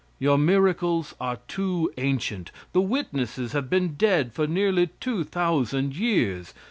Your miracles are too ancient. The witnesses have been dead for nearly two thousand years.